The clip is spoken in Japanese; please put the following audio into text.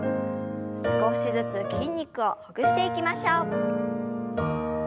少しずつ筋肉をほぐしていきましょう。